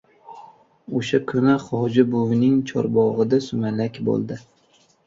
O‘sha kuni Hoji buvining chorbog‘ida sumalak bo‘ldi.